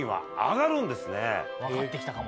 わかってきたかも。